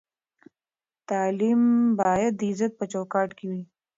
تعلیم باید د عزت په چوکاټ کې وي.